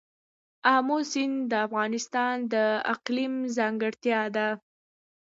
آمو سیند د افغانستان د اقلیم ځانګړتیا ده.